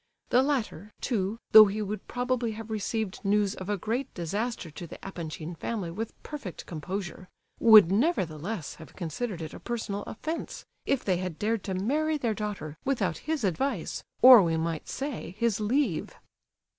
The latter, too, though he would probably have received news of a great disaster to the Epanchin family with perfect composure, would nevertheless have considered it a personal offence if they had dared to marry their daughter without his advice, or we might almost say, his leave.